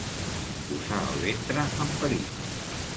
Posar el ventre en perill.